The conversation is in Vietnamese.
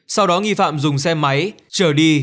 sau đó nghi phạm dùng xe máy trở đi